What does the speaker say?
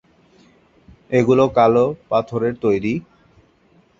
এগুলো কাল পাথরের তৈরি।